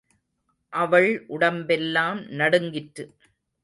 அவள் உடம்பெல்லாம் நடுங்கிற்று.